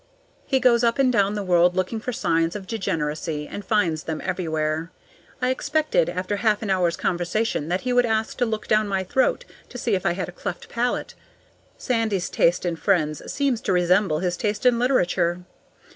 He goes up and down the world looking for signs of degeneracy, and finds them everywhere. I expected, after half an hour's conversation, that he would ask to look down my throat to see if I had a cleft palate. Sandy's taste in friends seems to resemble his taste in literature.